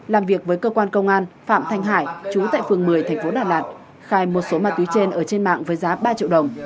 làm việc với cơ quan công an phạm thanh hải chú tại phường một mươi tp đà lạt khai một số ma túy trên ở trên mạng với giá ba triệu đồng